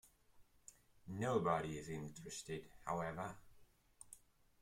Nobody is interested, however.